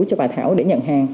cho bà thảo để nhận hàng